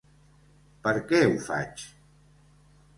Per què ho faig?